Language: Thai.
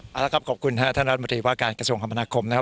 ครับแล้วก็ครับขอบคุณท่านรัฐมนตรีว่าการกระทรวงความพนาคมนะครับ